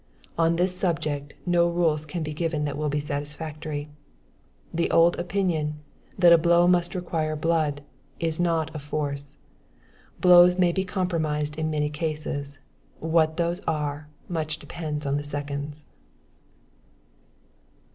On this subject, no rules can be given that will be satisfactory. The old opinion, that a blow must require blood, is not of force. Blows may be compromised in many cases. What those are, much depend on the seconds.